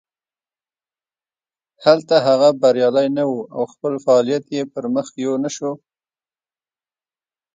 هلته هغه بریالی نه و او خپل فعالیت یې پرمخ یو نه شو.